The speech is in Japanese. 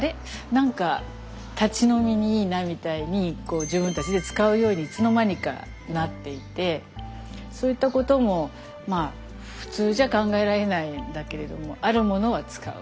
何か立ち飲みにいいなみたいに自分たちで使うようにいつの間にかなっていてそういったことも普通じゃ考えられないんだけれどもあるものは使う。